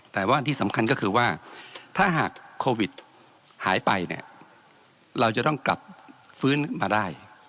แต่ว่าที่สำคัญก็คือว่าถ้าหากโควิดหายไปเนี่ยเราจะต้องกลับฟื้นมาได้